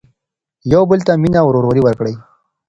يو بل ته مينه او ورورولي ورکړئ.